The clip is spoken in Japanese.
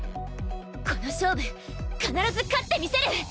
この勝負必ず勝ってみせる！